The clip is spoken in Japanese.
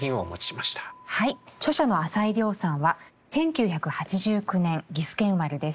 著者の朝井リョウさんは１９８９年岐阜県生まれです。